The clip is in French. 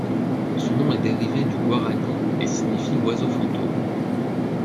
Son nom est dérivé du guarani et signifie oiseau fantôme.